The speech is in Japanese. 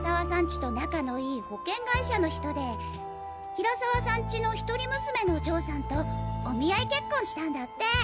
ちと仲のいい保険会社の人で平沢さんちの一人娘のお嬢さんとお見合い結婚したんだって。